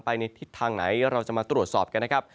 ในทิศทางไหนเราจะมาตรวจสอบกันนะครับ